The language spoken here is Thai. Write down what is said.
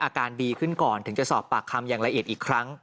อาการดีขึ้นก่อนถึงจะสอบปากคำอย่างละเอียดอีกครั้ง